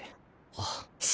あっ。